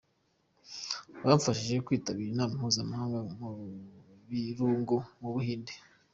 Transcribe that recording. Bamfashije kwitabira inama mpuzamahanga ku birungo mu Buhinde.